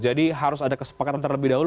jadi harus ada kesepakatan terlebih dahulu